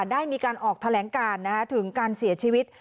ได้มีการออกแถลงการถึงการเสียชีวิต